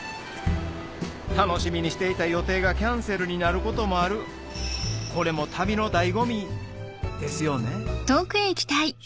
楽しみにしていた予定がキャンセルになることもあるこれも旅の醍醐味ですよね